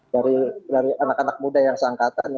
dari anak anak muda yang seangkatan